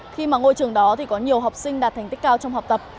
khi mà ngôi trường đó thì có nhiều học sinh đạt thành tích cao trong học tập